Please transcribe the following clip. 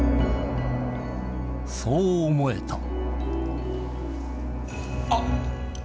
そう思えたはい。